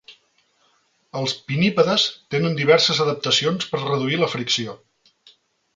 Els pinnípedes tenen diverses adaptacions per reduir la fricció.